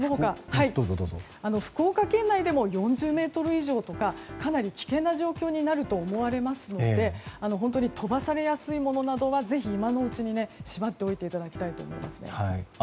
福岡県内でも４０メートル以上とかかなり危険な状況になると思われますので飛ばされやすいものなどはぜひ今のうちにしまっておいていただきたいと思います。